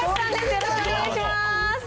よろしくお願いします。